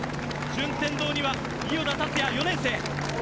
順天堂には伊豫田達弥、４年生。